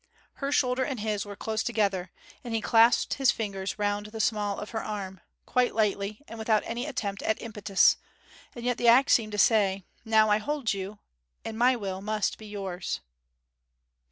Her shoulder and his were close together, and he clasped his fingers round the small of her arm quite lightly, and without any attempt at impetus; yet the act seemed to say, 'Now I hold you, and my will must be yours.'